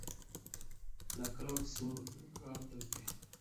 La Croix-sur-Gartempe